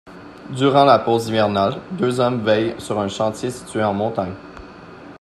Durant la pause hivernale, deux hommes veillent sur un chantier situé en montagne.